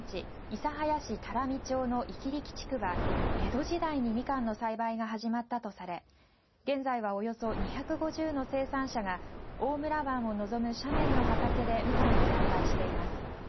諫早市多良見町の伊木力地区は江戸時代にみかんの栽培が始まったとされ現在はおよそ２５０の生産者が大村湾を望む斜面の畑でみかんを栽培しています。